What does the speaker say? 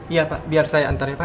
iya pak biar saya antar ya pak